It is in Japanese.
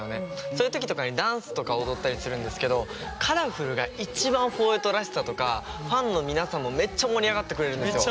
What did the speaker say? そういう時とかにダンスとか踊ったりするんですけど「ＣＯＬＯＲＦＵＬ！！」が一番フォーエイト４８らしさとかファンの皆さんもめっちゃ盛り上がってくれるんですよ。